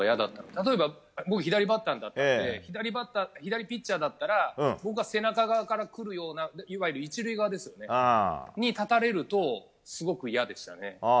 例えば僕は左バッターだったので左ピッチャーだったら僕は背中側からくるようないわゆる１塁側に立たれるとすごく嫌でした。